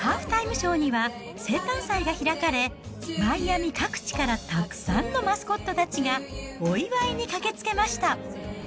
ショーには生誕祭が開かれ、マイアミ各地からたくさんのマスコットたちが、お祝いに駆けつけました。